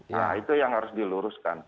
nah itu yang harus diluruskan